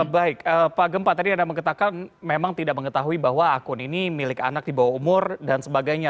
baik pak gempa tadi anda mengatakan memang tidak mengetahui bahwa akun ini milik anak di bawah umur dan sebagainya